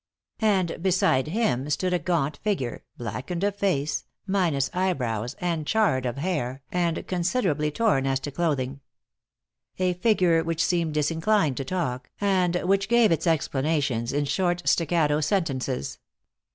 And beside him stood a gaunt figure, blackened of face, minus eyebrows and charred of hair, and considerably torn as to clothing. A figure which seemed disinclined to talk, and which gave its explanations in short, staccato sentences.